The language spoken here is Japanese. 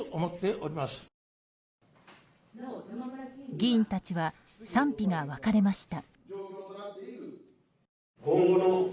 議員たちは賛否が分かれました。